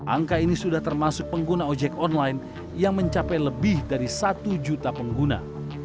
angka ini sudah termasuk pengguna ojek online yang mencapai lebih dari satu juta pengguna